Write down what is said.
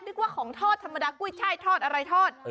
นึกว่าของทอดธรรมดากุ้ยช่ายทอดอะไรทอด